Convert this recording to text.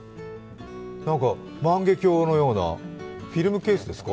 万華鏡のようなフィルムケースですか？